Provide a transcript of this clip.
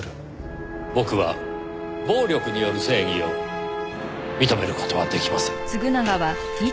僕は暴力による正義を認める事は出来ません。